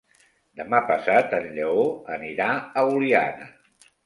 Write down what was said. Demà passat en Lleó anirà a Oliana.